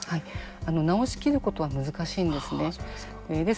治しきることは難しいんですね。